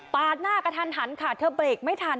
ปาดหน้ากระทันค่ะเธอเบรกไม่ทัน